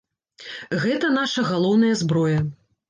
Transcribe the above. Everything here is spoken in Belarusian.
Гэта наша галоўная зброя.